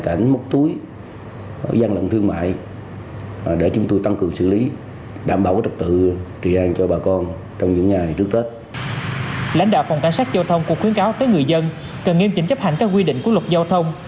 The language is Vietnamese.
cần nghiêm chỉnh chấp hành các quy định của luật giao thông